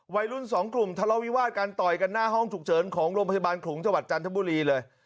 วัยรุ่นสองกลุ่มทะเลาวิวาสการต่อยกันหน้าห้องฉุกเฉินของโรงพยาบาลขลุงจังหวัดจันทบุรีเลย